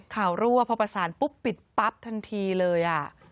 รั่วพอประสานปุ๊บปิดปั๊บทันทีเลย